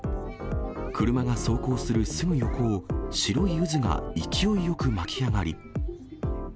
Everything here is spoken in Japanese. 車が走行するすぐ横を、白い渦が勢いよく巻き上がり。